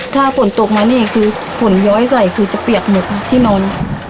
ถ้าฝนตกมานี่คือฝนย้อยใส่คือจะเปียกหมดที่นอน